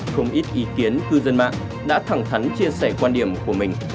không ít ý kiến cư dân mạng đã thẳng thắn chia sẻ quan điểm của mình